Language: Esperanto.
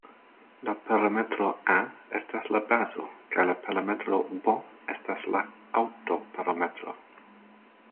La parametro "a" estas la bazo kaj la parametro "b" estas la "alto"-parametro.